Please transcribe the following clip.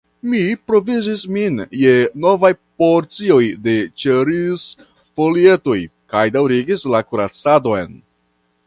Mi provizis min je novaj porcioj de ĉeriz-folietoj kaj daŭrigis la kuracadon.